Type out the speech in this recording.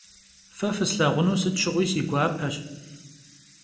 Fe fıslhağunu sıt şığui si guapeş.